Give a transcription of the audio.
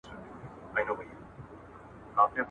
• واده يم، خبره نه يم چي په چا يم.